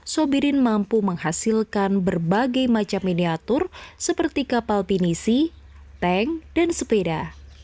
sobirin mampu menghasilkan berbagai macam miniatur seperti kapal pinisi tank dan sepeda